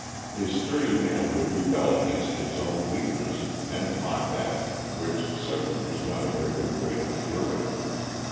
His sturdy manhood rebelled against its own weakness, and mocked at it, which certainly was not a very good way to cure it.